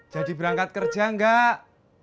jadi berangkat kerja gak